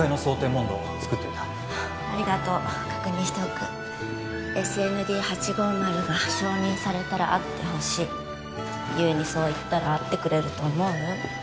問答作っておいたありがとう確認しておくＳＮＤ８５０が承認されたら会ってほしい優にそう言ったら会ってくれると思う？